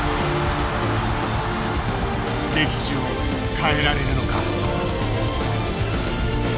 歴史を変えられるのか。